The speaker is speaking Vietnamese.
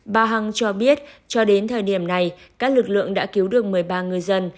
bà hằng cho biết cho đến thời điểm này các lực lượng đã cứu được một mươi ba người dân